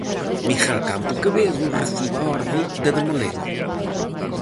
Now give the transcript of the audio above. Miguel Campo Quevedo recibe a orde de demolela.